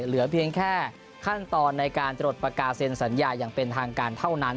เหลือเพียงแค่ขั้นตอนในการตรวจประกาศเซ็นสัญญาอย่างเป็นทางการเท่านั้น